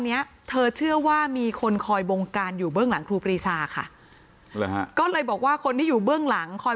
เนี้ยเธอเชื่อว่ามีคนคอยบงการอยู่เบื้องหลังครูปรีชาค่ะก็เลยบอกว่าคนที่อยู่เบื้องหลังคอย